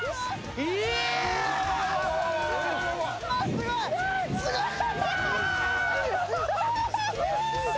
すごい、すごい！